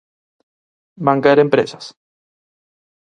Van caer empresas?